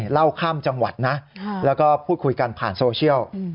เล่าข้ามจังหวัดนะแล้วก็พูดคุยกันผ่านโซเชียล